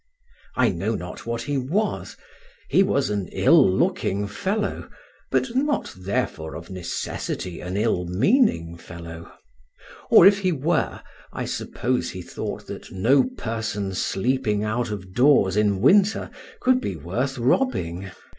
I know not what he was: he was an ill looking fellow, but not therefore of necessity an ill meaning fellow; or, if he were, I suppose he thought that no person sleeping out of doors in winter could be worth robbing.